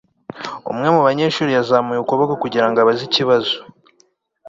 umwe mu banyeshuri yazamuye ukuboko kugira ngo abaze ikibazo